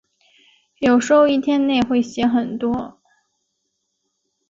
有时候一天内会写很多。